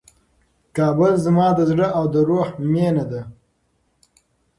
کابل زما د زړه او د روح مېنه ده.